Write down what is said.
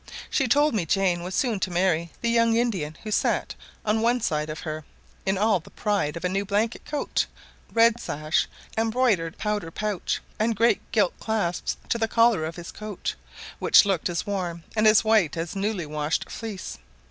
She told me Jane was soon to marry the young Indian who sat on one side of her in all the pride of a new blanket coat, red sash, embroidered powder pouch, and great gilt clasps to the collar of his coat, which looked as warm and as white as a newly washed fleece.